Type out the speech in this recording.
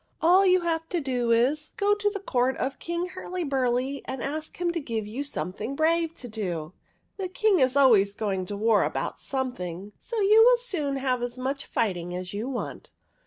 " All you have to do is to go to the court of King Hurlyburly, and ask him to give you something brave to do. The King is always going to war about something, so you will soon have as much fighting as you want.